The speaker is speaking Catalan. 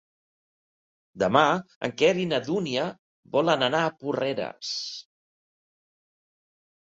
Demà en Quer i na Dúnia volen anar a Porreres.